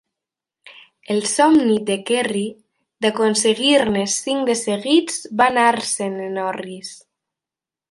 El somni del Kerry d'aconseguir-ne cinc de seguits va anar-se'n en orris.